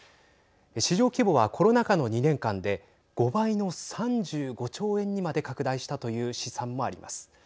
市場規模はコロナ禍の２年間で５倍の３５兆円にまで拡大したという試算もあります。